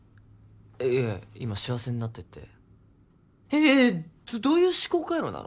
いやいや今「幸せになって」ってええっどういう思考回路なの？